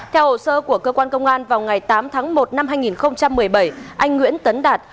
theo hồ sơ của cơ quan công an vào ngày tám tháng một năm hai nghìn một mươi bảy